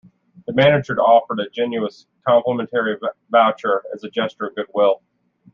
The manager offered a generous complimentary voucher as a gesture of goodwill.